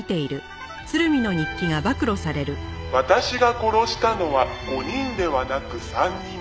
「“私が殺したのは５人ではなく３人”」